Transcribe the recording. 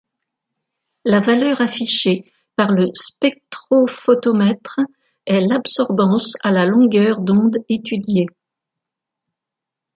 La valeur affichée par le spectrophotomètre est l’absorbance à la longueur d'onde étudiée.